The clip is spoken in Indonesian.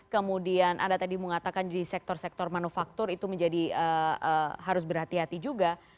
kemudian anda tadi mengatakan di sektor sektor manufaktur itu menjadi harus berhati hati juga